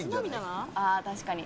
ああ確かに。